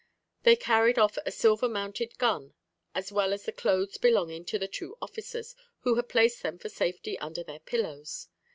They carried off a silver mounted gun, as well as the clothes belonging to the two officers, who had placed them for safety under their pillows.